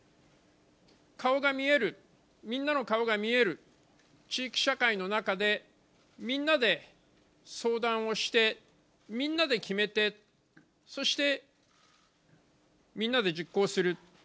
顔が見える、みんなの顔が見える地域社会の中で、みんなで相談をして、みんなで決めて、そしてみんなで実行する。